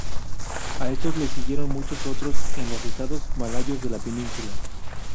A estos les siguieron muchos otros en los estados malayos de la península.